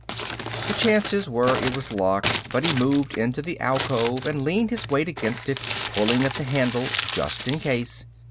The chances were it was locked, but he moved into the alcove and leaned his weight against it, pulling at the handle, just in case.